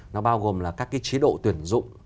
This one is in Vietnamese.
nó bao gồm là các cái chế độ tuyển dụng